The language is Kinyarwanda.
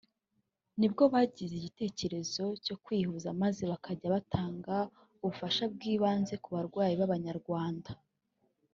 nibwo bagize igitekerezo cyo kwihuza maze bakajya batanga ubufasha bw’ibanze ku barwayi b’ababanyarwanda